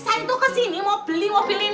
saya tuh ke sini mau beli mobil ini